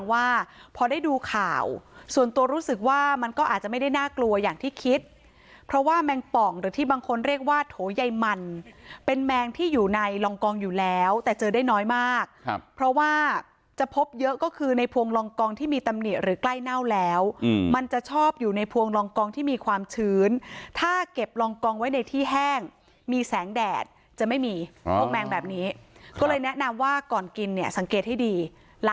ว่าแมงป่องหรือที่บางคนเรียกว่าโถไยมันเป็นแมงที่อยู่ในรองกองอยู่แล้วแต่เจอได้น้อยมากเพราะว่าจะพบเยอะก็คือในพวงรองกองที่มีตำเนียหรือกล้ายเน่าแล้วมันจะชอบอยู่ในพวงรองกองที่มีความชื้นถ้าเก็บรองกองไว้ในที่แห้งมีแสงแดดจะไม่มีพวกแมงแบบนี้ก็เลยแนะนำว่าก่อนกินเนี่ยสังเกตให้ดีล้